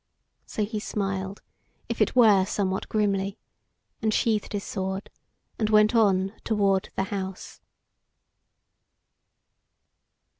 So he smiled, if it were somewhat grimly, and sheathed his sword and went on toward the house.